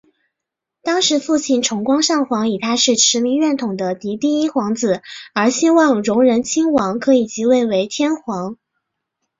当时父亲崇光上皇以他是持明院统的嫡第一皇子而希望荣仁亲王可以即位为天皇。